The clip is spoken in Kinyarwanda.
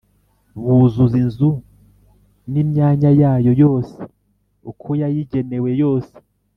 buzuza inzu n’imyanya yayo yose uko yayigenewe yose